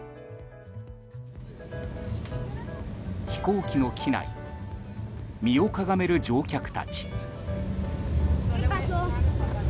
飛行機の機内身をかがめる乗客たち。